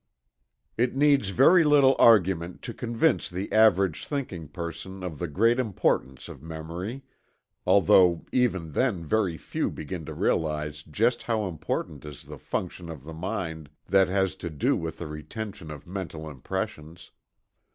It needs very little argument to convince the average thinking person of the great importance of memory, although even then very few begin to realize just how important is the function of the mind that has to do with the retention of mental impressions.